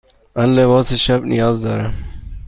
من لباس شب نیاز دارم.